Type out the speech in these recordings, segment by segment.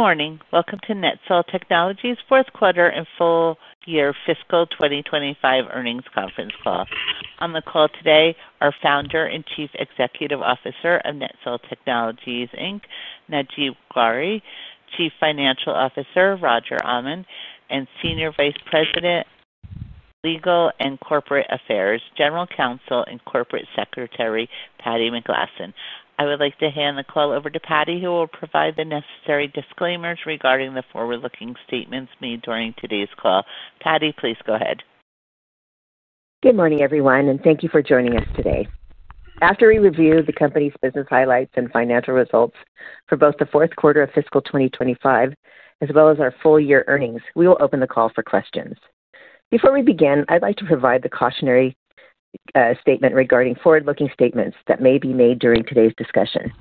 Good morning. Welcome to NETSOL Technologies' Fourth Quarter and Full-Year Fiscal 2025 Earnings Conference Call. On the call today are Founder and Chief Executive Officer of NETSOL Technologies, Inc, Najeeb Ghauri, Chief Financial Officer, Roger Almond, and Senior Vice President, Legal and Corporate Affairs, General Counsel and Corporate Secretary, Patti McGlasson. I would like to hand the call over to Patti, who will provide the necessary disclaimers regarding the forward-looking statements made during today's call. Patti, please go ahead. Good morning, everyone, and thank you for joining us today. After we review the company's business highlights and financial results for both the fourth quarter of fiscal 2025 as well as our full-year earnings, we will open the call for questions. Before we begin, I'd like to provide the cautionary statement regarding forward-looking statements that may be made during today's discussion.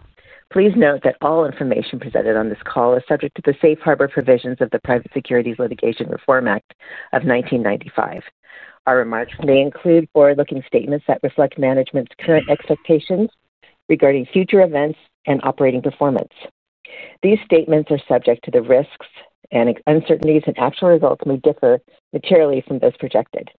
Please note that all information presented on this call is subject to the Safe Harbor provisions of the Private Securities Litigation Reform Act of 1995. Our remarks may include forward-looking statements that reflect management's current expectations regarding future events and operating performance. These statements are subject to the risks and uncertainties, and actual results may differ materially from those projected.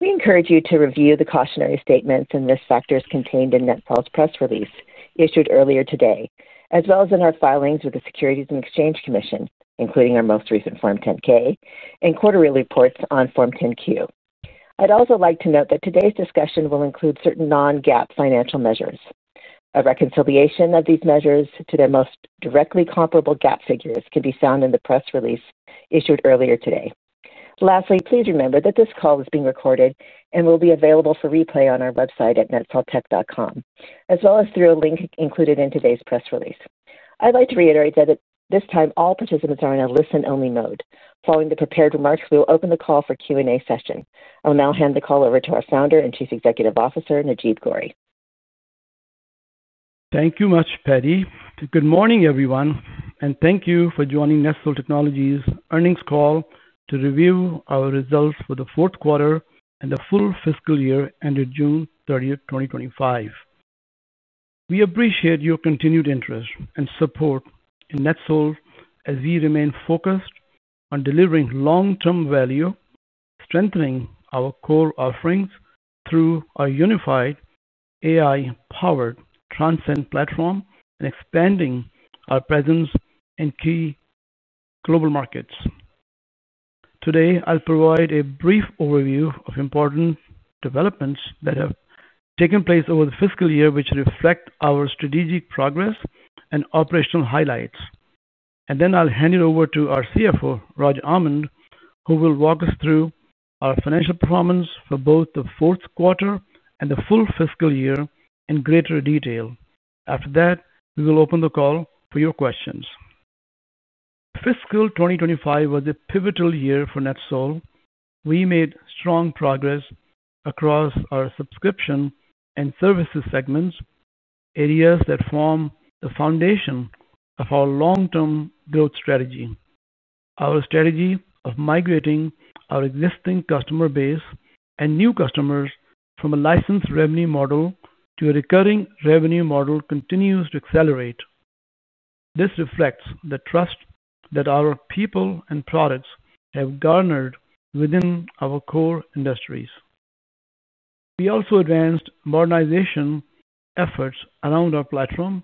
We encourage you to review the cautionary statements and risk factors contained in NETSOL's press release issued earlier today, as well as in our filings with the Securities and Exchange Commission, including our most recent Form 10-K and quarterly reports on Form 10-Q. I'd also like to note that today's discussion will include certain non-GAAP financial measures. A reconciliation of these measures to their most directly comparable GAAP figures can be found in the press release issued earlier today. Lastly, please remember that this call is being recorded and will be available for replay on our website at netsoltech.com, as well as through a link included in today's press release. I'd like to reiterate that at this time, all participants are in a listen-only mode. Following the prepared remarks, we will open the call for Q&A session. I will now hand the call over to our Founder and Chief Executive Officer, Najeeb Ghauri. Thank you much, Patti. Good morning, everyone, and thank you for joining NETSOL Technologies' earnings call to review our results for the fourth quarter and the full fiscal year ended June 30th, 2025. We appreciate your continued interest and support in NETSOL as we remain focused on delivering long-term value, strengthening our core offerings through our unified AI-powered Transcend platform, and expanding our presence in key global markets. Today, I'll provide a brief overview of important developments that have taken place over the fiscal year, which reflect our strategic progress and operational highlights. I will hand it over to our CFO, Roger Almond, who will walk us through our financial performance for both the fourth quarter and the full fiscal year in greater detail. After that, we will open the call for your questions. Fiscal 2025 was a pivotal year for NETSOL. We made strong progress across our subscription and services segments, areas that form the foundation of our long-term growth strategy. Our strategy of migrating our existing customer base and new customers from a licensed revenue model to a recurring revenue model continues to accelerate. This reflects the trust that our people and products have garnered within our core industries. We also advanced modernization efforts around our platform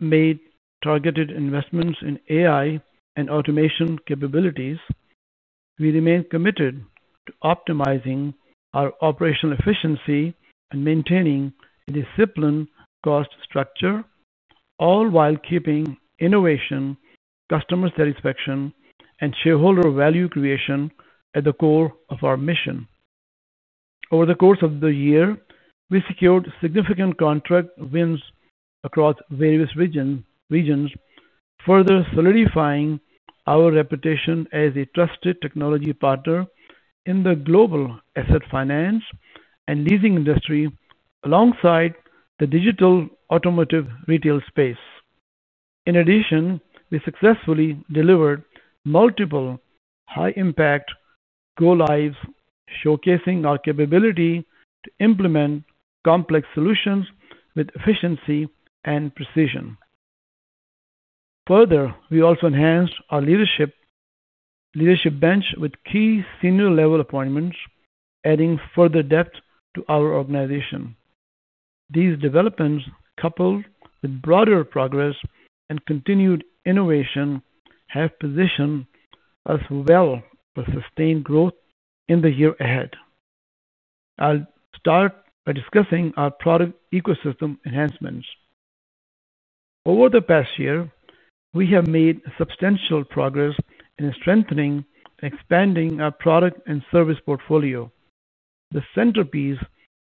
and made targeted investments in AI and automation capabilities. We remain committed to optimizing our operational efficiency and maintaining a disciplined cost structure, all while keeping innovation, customer satisfaction, and shareholder value creation at the core of our mission. Over the course of the year, we secured significant contract wins across various regions, further solidifying our reputation as a trusted technology partner in the global asset finance and leasing industry, alongside the digital automotive retail space. In addition, we successfully delivered multiple high-impact go-lives, showcasing our capability to implement complex solutions with efficiency and precision. Further, we also enhanced our leadership bench with key senior-level appointments, adding further depth to our organization. These developments, coupled with broader progress and continued innovation, have positioned us well for sustained growth in the year ahead. I'll start by discussing our product ecosystem enhancements. Over the past year, we have made substantial progress in strengthening and expanding our product and service portfolio. The centerpiece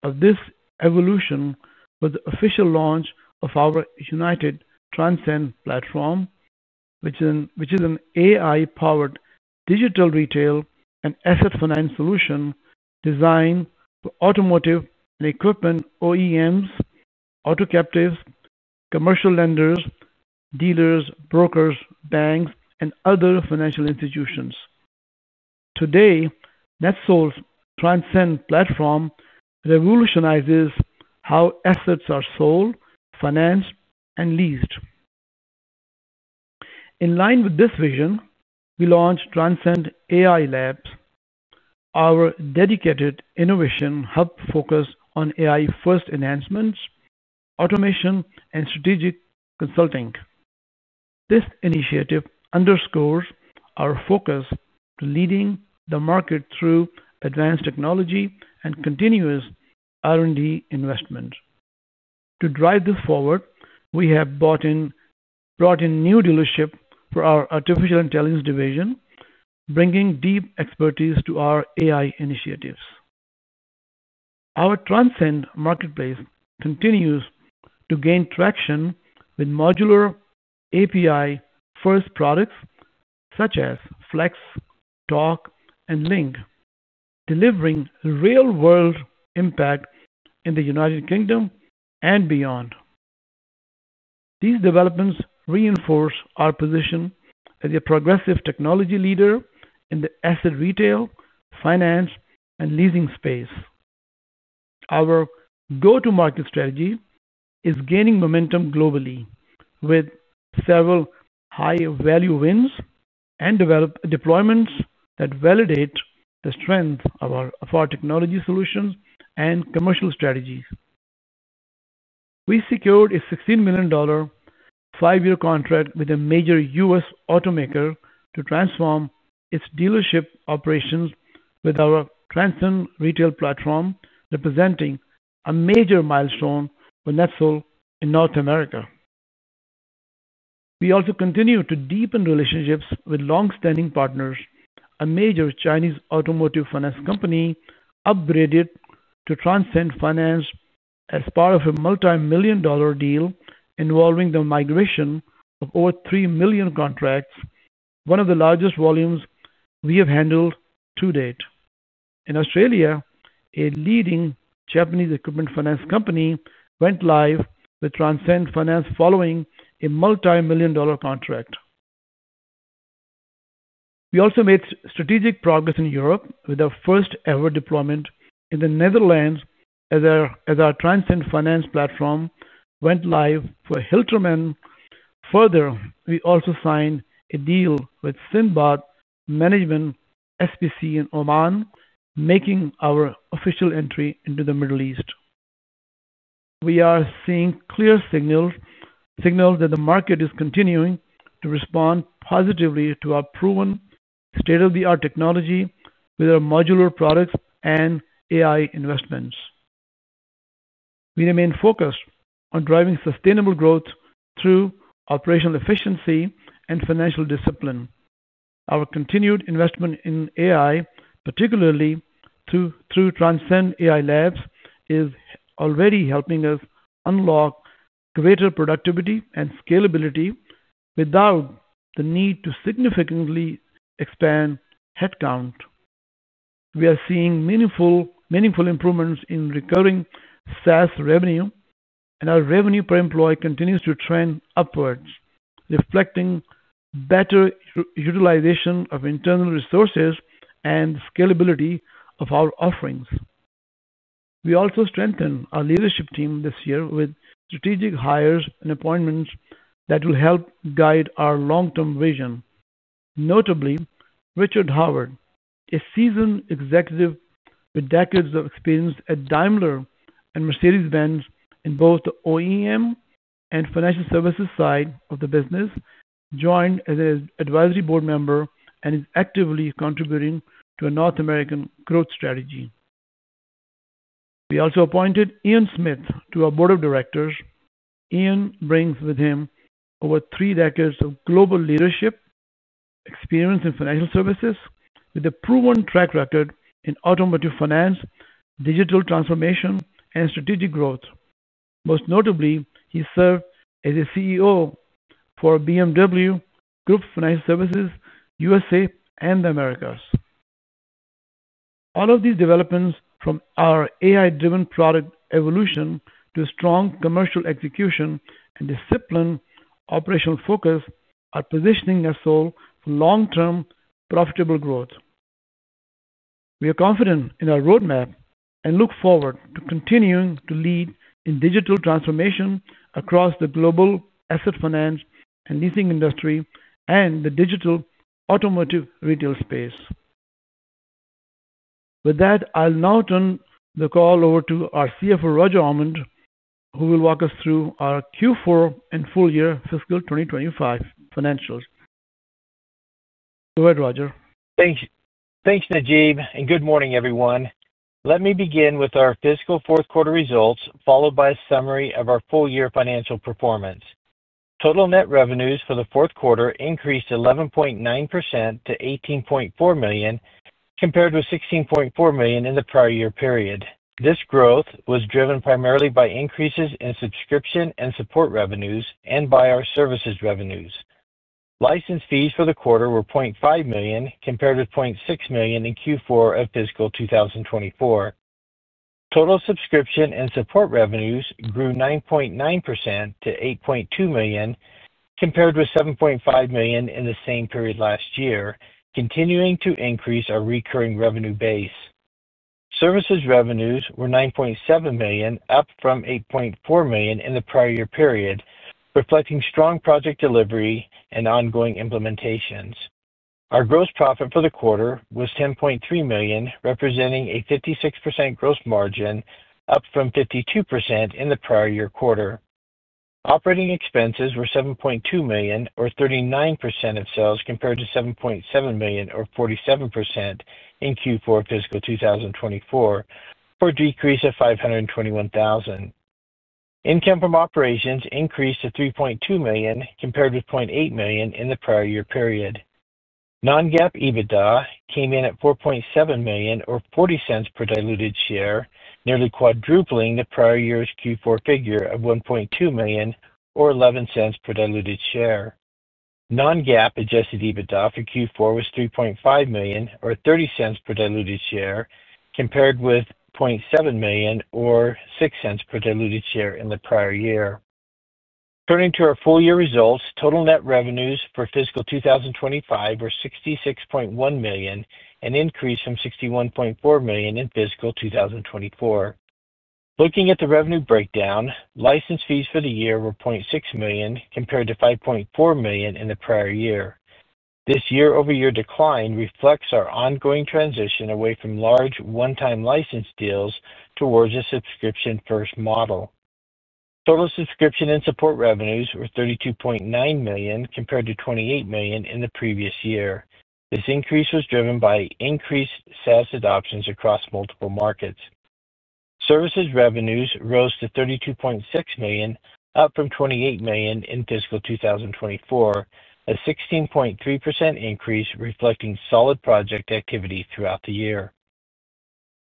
of this evolution was the official launch of our united Transcend platform, which is an AI-powered digital retail and asset finance solution designed for automotive and equipment OEMs, auto captives, commercial lenders, dealers, brokers, banks, and other financial institutions. Today, NETSOL's Transcend platform revolutionizes how assets are sold, financed, and leased. In line with this vision, we launched Transcend AI Labs, our dedicated innovation hub focused on AI-first enhancements, automation, and strategic consulting. This initiative underscores our focus on leading the market through advanced technology and continuous R&D investment. To drive this forward, we have brought in new dealerships for our artificial intelligence division, bringing deep expertise to our AI initiatives. Our Transcend marketplace continues to gain traction with modular API-first products such as Flex, Talk, and Lync, delivering real-world impact in the United Kingdom and beyond. These developments reinforce our position as a progressive technology leader in the asset retail, finance, and leasing space. Our go-to-market strategy is gaining momentum globally with several high-value wins and developed deployments that validate the strength of our technology solutions and commercial strategies. We secured a $16 million five-year contract with a major U.S.automaker to transform its dealership operations with our Transcend retail platform, representing a major milestone for NETSOL in North America. We also continue to deepen relationships with longstanding partners. A major Chinese automotive finance company upgraded to Transcend Finance as part of a multimillion-dollar deal involving the migration of over 3 million contracts, one of the largest volumes we have handled to date. In Australia, a leading Japanese equipment finance company went live with Transcend Finance following a multimillion-dollar contract. We also made strategic progress in Europe with our first-ever deployment in the Netherlands as our Transcend Finance platform went live for Hilterman. Further, we also signed a deal with Sindbad Management, SPC in Oman, making our official entry into the Middle East. We are seeing clear signals that the market is continuing to respond positively to our proven state-of-the-art technology with our modular products and AI investments. We remain focused on driving sustainable growth through operational efficiency and financial discipline. Our continued investment in AI, particularly through Transcend AI Labs, is already helping us unlock greater productivity and scalability without the need to significantly expand headcount. We are seeing meaningful improvements in recurring SaaS revenue, and our revenue per employee continues to trend upwards, reflecting better utilization of internal resources and scalability of our offerings. We also strengthened our leadership team this year with strategic hires and appointments that will help guide our long-term vision. Notably, Richard Howard, a seasoned executive with decades of experience at Daimler and Mercedes-Benz in both the OEM and financial services side of the business, joined as an advisory board member and is actively contributing to our North American growth strategy. We also appointed Ian Smith to our board of directors. Ian brings with him over three decades of global leadership, experience in financial services, with a proven track record in automotive finance, digital transformation, and strategic growth. Most notably, he served as a CEO for BMW Group Financial Services U.S.A. and the Americas. All of these developments, from our AI-driven product evolution to strong commercial execution and disciplined operational focus, are positioning NETSOL for long-term profitable growth. We are confident in our roadmap and look forward to continuing to lead in digital transformation across the global asset finance and leasing industry and the digital automotive retail space. With that, I'll now turn the call over to our CFO, Roger Almond, who will walk us through our Q4 and full-year fiscal 2025 financials. Go ahead, Roger. Thanks, Najeeb, and good morning, everyone. Let me begin with our fiscal fourth quarter results, followed by a summary of our full-year financial performance. Total net revenues for the fourth quarter increased 11.9% to $18.4 million, compared with $16.4 million in the prior year period. This growth was driven primarily by increases in subscription and support revenues and by our services revenues. License fees for the quarter were $0.5 million, compared with $0.6 million in Q4 of fiscal 2024. Total subscription and support revenues grew 9.9% to $8.2 million, compared with $7.5 million in the same period last year, continuing to increase our recurring revenue base. Services revenues were $9.7 million, up from $8.4 million in the prior year period, reflecting strong project delivery and ongoing implementations. Our gross profit for the quarter was $10.3 million, representing a 56% gross margin, up from 52% in the prior year quarter. Operating expenses were $7.2 million, or 39% of sales, compared to $7.7 million, or 47% in Q4 fiscal 2024, for a decrease of $521,000. Income from operations increased to $3.2 million, compared with $0.8 million in the prior year period. Non-GAAP EBITDA came in at $4.7 million, or $0.40 per diluted share, nearly quadrupling the prior year's Q4 figure of $1.2 million, or $0.11 per diluted share. Non-GAAP adjusted EBITDA for Q4 was $3.5 million, or $0.30 per diluted share, compared with $0.7 million, or $0.06 per diluted share in the prior year. Turning to our full-year results, total net revenues for fiscal 2025 were $66.1 million, an increase from $61.4 million in fiscal 2024. Looking at the revenue breakdown, license fees for the year were $0.6 million, compared to $5.4 million in the prior year. This year-over-year decline reflects our ongoing transition away from large one-time license deals towards a subscription-first model. Total subscription and support revenues were $32.9 million, compared to $28 million in the previous year. This increase was driven by increased SaaS adoptions across multiple markets. Services revenues rose to $32.6 million, up from $28 million in fiscal 2024, a 16.3% increase reflecting solid project activity throughout the year.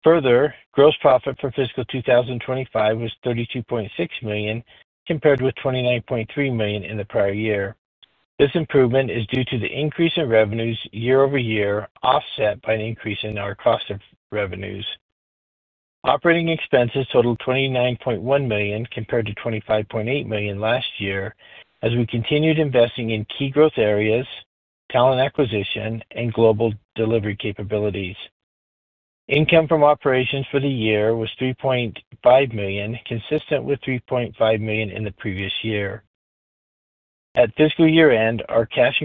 Further, gross profit for fiscal 2025 was $32.6 million, compared with $29.3 million in the prior year. This improvement is due to the increase in revenues year-over-year, offset by an increase in our cost of revenues. Operating expenses totaled $29.1 million, compared to $25.8 million last year, as we continued investing in key growth areas, talent acquisition, and global delivery capabilities. Income from operations for the year was $3.5 million, consistent with $3.5 million in the previous year. At fiscal year end, our cash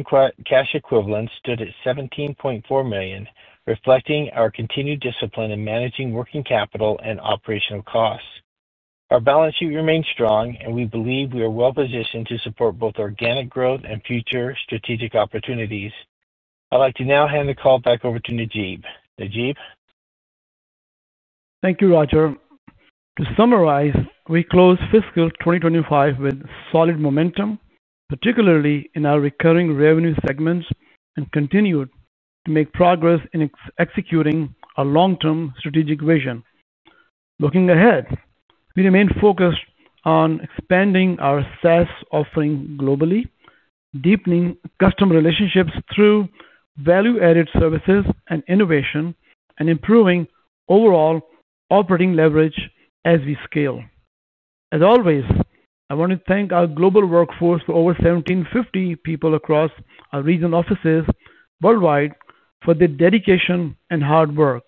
equivalents stood at $17.4 million, reflecting our continued discipline in managing working capital and operational costs. Our balance sheet remains strong, and we believe we are well positioned to support both organic growth and future strategic opportunities. I'd like to now hand the call back over to Najeeb. Najeeb? Thank you, Roger. To summarize, we closed fiscal 2025 with solid momentum, particularly in our recurring revenue segments, and continued to make progress in executing our long-term strategic vision. Looking ahead, we remain focused on expanding our SaaS offering globally, deepening customer relationships through value-added services and innovation, and improving overall operating leverage as we scale. As always, I want to thank our global workforce of over 1,750 people across our regional offices worldwide for their dedication and hard work,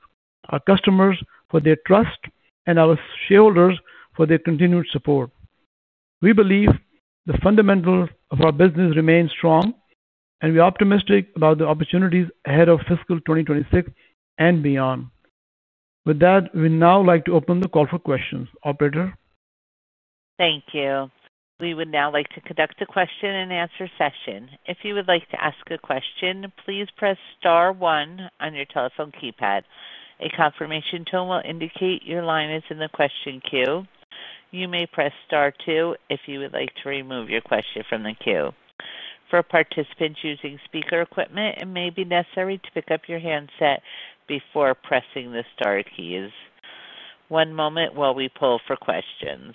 our customers for their trust, and our shareholders for their continued support. We believe the fundamentals of our business remain strong, and we are optimistic about the opportunities ahead of fiscal 2026 and beyond. With that, we'd now like to open the call for questions. Operator? Thank you. We would now like to conduct a question-and-answer session. If you would like to ask a question, please press star one on your telephone keypad. A confirmation tone will indicate your line is in the question queue. You may press star two if you would like to remove your question from the queue. For participants using speaker equipment, it may be necessary to pick up your handset before pressing the star keys. One moment while we pull for questions.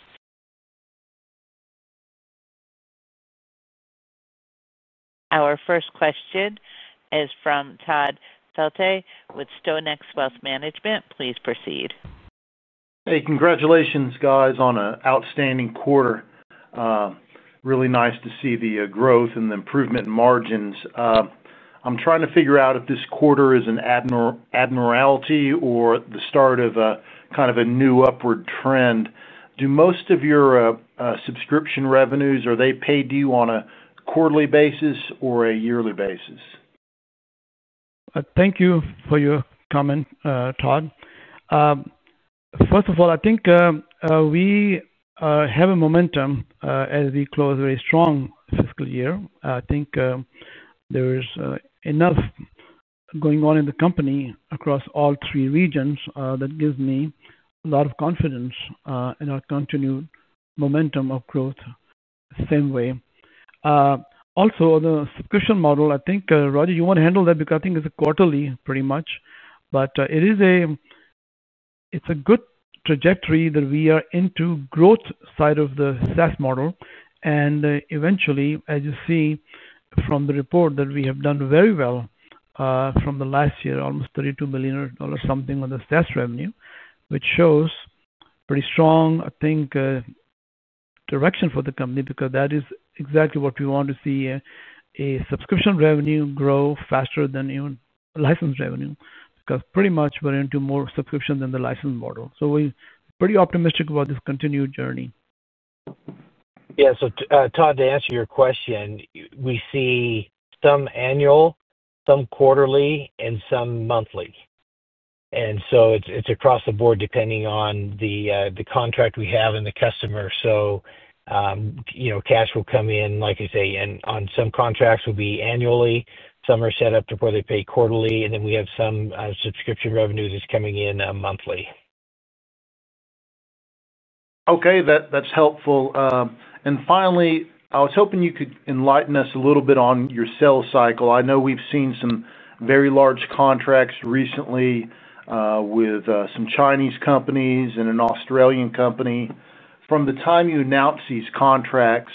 Our first question is from Todd Felte with StoneX Wealth Management. Please proceed. Hey, congratulations, guys, on an outstanding quarter. Really nice to see the growth and the improvement in margins. I'm trying to figure out if this quarter is an abnormality or the start of a kind of a new upward trend. Do most of your subscription revenues, are they paid to you on a quarterly basis or a yearly basis? Thank you for your comment, Todd. First of all, I think we have momentum as we close a very strong fiscal year. I think there is enough going on in the company across all three regions that gives me a lot of confidence in our continued momentum of growth the same way. Also, on the subscription model, I think, Roger, you want to handle that because I think it's a quarterly, pretty much. It is a good trajectory that we are into the growth side of the SaaS model. Eventually, as you see from the report, we have done very well from the last year, almost $32 million or something on the SaaS revenue, which shows a pretty strong, I think, direction for the company because that is exactly what we want to see: a subscription revenue grow faster than even license revenue because pretty much we're into more subscription than the license model. We're pretty optimistic about this continued journey. Yeah. Todd, to answer your question, we see some annual, some quarterly, and some monthly. It's across the board depending on the contract we have and the customer. Cash will come in, like I say, and on some contracts will be annually. Some are set up to where they pay quarterly, and then we have some subscription revenue that's coming in monthly. Okay, that's helpful. Finally, I was hoping you could enlighten us a little bit on your sales cycle. I know we've seen some very large contracts recently with some Chinese companies and an Australian company. From the time you announce these contracts,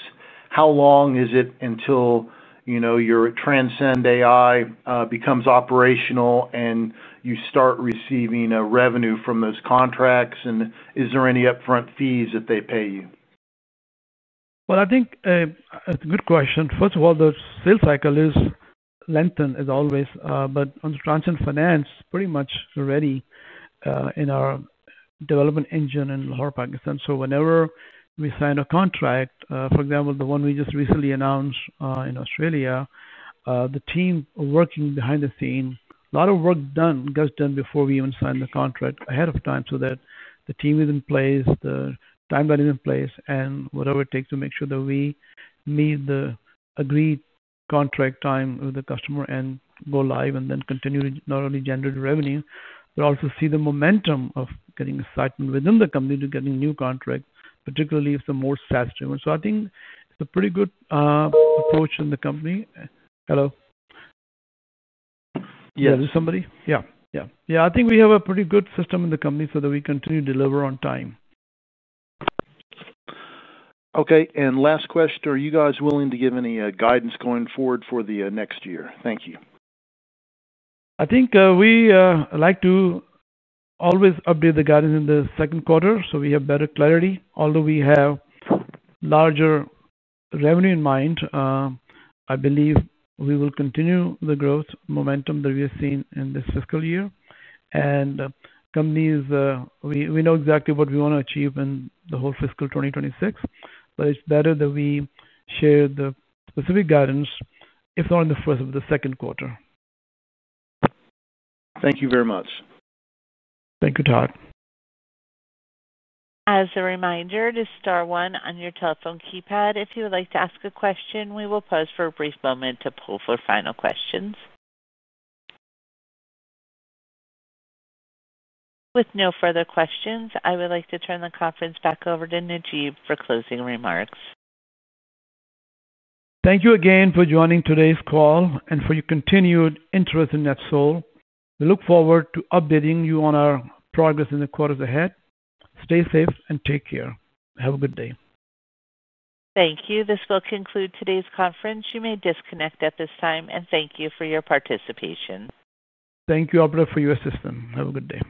how long is it until, you know, your Transcend AI becomes operational and you start receiving revenue from those contracts? Is there any upfront fees that they pay you? I think it's a good question. First of all, the sales cycle is lengthened, as always, but under Transcend Finance, pretty much ready, in our development engine in Lahore, Pakistan. Whenever we sign a contract, for example, the one we just recently announced in Australia, the team working behind the scenes, a lot of work gets done before we even sign the contract ahead of time so that the team is in place, the timeline is in place, and whatever it takes to make sure that we meet the agreed contract time with the customer and go live and then continue to not only generate revenue but also see the momentum of getting excitement within the company to getting new contracts, particularly if they're more SaaS-driven. I think it's a pretty good approach in the company. Hello. Yeah. Yeah. I think we have a pretty good system in the company so that we continue to deliver on time. Okay. Last question, are you guys willing to give any guidance going forward for the next year? Thank you. I think we like to always update the guidance in the second quarter so we have better clarity. Although we have a larger revenue in mind, I believe we will continue the growth momentum that we have seen in this fiscal year. Companies, we know exactly what we want to achieve in the whole fiscal 2026, but it's better that we share the specific guidance if not in the first or the second quarter. Thank you very much. Thank you, Todd. As a reminder, to star one on your telephone keypad if you would like to ask a question, we will pause for a brief moment to poll for final questions. With no further questions, I would like to turn the conference back over to Najeeb for closing remarks. Thank you again for joining today's call and for your continued interest in NETSOL. We look forward to updating you on our progress in the quarters ahead. Stay safe and take care. Have a good day. Thank you. This will conclude today's conference. You may disconnect at this time, and thank you for your participation. Thank you, Operator, for your assistance. Have a good day.